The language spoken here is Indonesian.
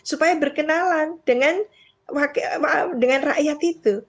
supaya berkenalan dengan rakyat itu